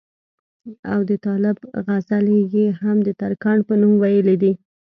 او د طالب غزلې ئې هم دترکاڼ پۀ نوم وئيلي دي